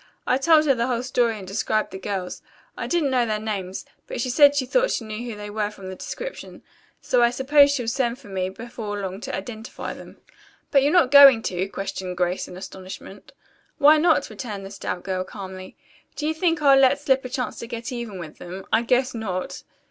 I told her the whole story and described the girls. I didn't know their names, but she said she thought she knew who they were from the description. So I suppose she'll send for me before long to identify them." "But you're not going to?" questioned Grace in astonishment. "Why not?" returned the stout girl calmly. "Do you think I'll let slip a chance to get even with them? I guess not."